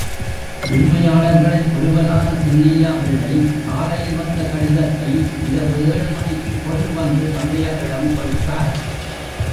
உரிமையாளர்களில் ஒருவரான சின்னையா பிள்ளை காலையில் வந்த கடிதத்தை இரவு ஏழு மணிக்குக் கொண்டு வந்து தந்தையாரிடம் கொடுத்தார்.